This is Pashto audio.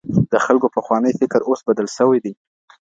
د خلګو پخوانی فکر اوس بدل سوی دی.